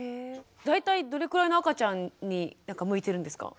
大体どれくらいの赤ちゃんに向いてるんですか？